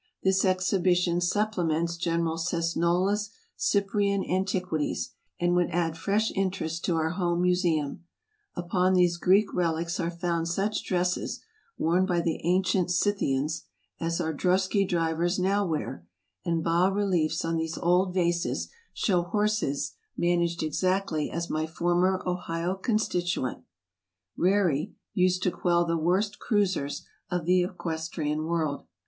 This exhibition supplements General Cesnola's Cyprian an tiquities, and would add fresh interest to our home museum. Upon these Greek relics are found such dresses, worn by the ancient Scythians, as our drosky drivers now wear, and bas reliefs on these old vases show horses managed exactly as my former Ohio constituent, Rarey, used to quell the worst " Cruisers " of the equestrian world.